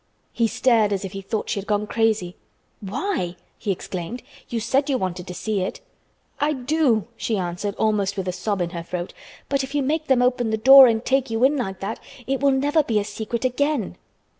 He stared as if he thought she had gone crazy! "Why?" he exclaimed. "You said you wanted to see it." "I do," she answered almost with a sob in her throat, "but if you make them open the door and take you in like that it will never be a secret again."